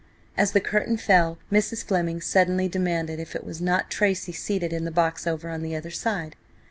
As the curtain fell, Mrs. Fleming suddenly demanded if it was not Tracy seated in the box over on the other side.